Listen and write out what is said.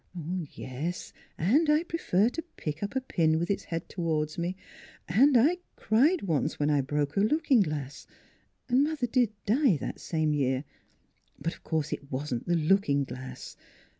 "Yes; and I prefer to pick up a pin with its head towards me, and I cried once, when I broke a looking glass and mother did die that same year; but of course it wasn't the looking glass.